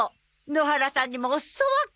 野原さんにもお裾分け。